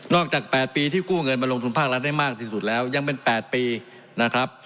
จาก๘ปีที่กู้เงินมาลงทุนภาครัฐได้มากที่สุดแล้วยังเป็น๘ปีนะครับ